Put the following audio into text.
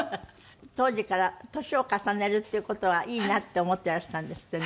当時から年を重ねるっていう事はいいなって思ってらしたんですってね。